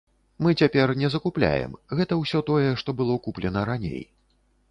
Мы цяпер не закупляем, гэта ўсё тое, што было куплена раней.